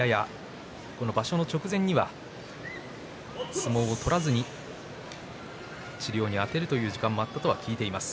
場所直前には相撲を取らずに治療にあてるという時間があったとも聞いています。